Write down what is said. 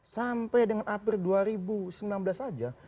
sampai dengan april dua ribu sembilan belas saja